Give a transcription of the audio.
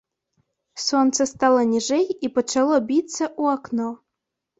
Сонца стала ніжэй і пачало біцца ў акно.